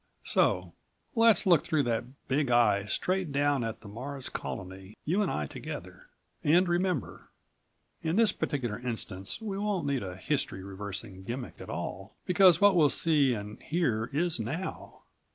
So ... let's look through that Big Eye straight down at the Mars Colony, you and I together. And remember. In this particular instance we won't need a history reversing gimmick at all, because what we'll see and hear is NOW.